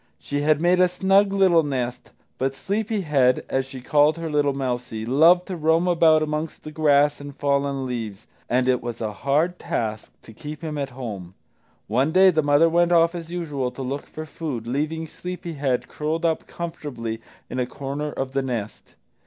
She had made a snug little nest, but Sleepy head, as she called her little mousie, loved to roam about among the grass and fallen leaves, and it was a hard task to keep him at home. One day the mother went off as usual to look for food, leaving Sleepy head curled up comfortably in a corner of the nest.